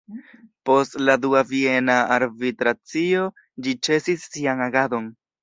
Post la Dua Viena Arbitracio ĝi ĉesis sian agadon.